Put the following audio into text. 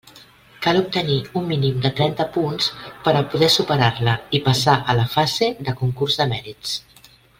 Cal obtenir un mínim de trenta punts per a poder superar-la i passar a la fase de concurs de mèrits.